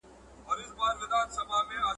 دا فایل په خوندي ډول ذخیره سوی دی.